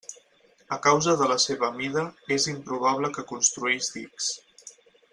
A causa de la seva mida, és improbable que construís dics.